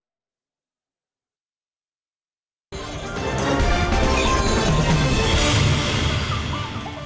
terima kasih pak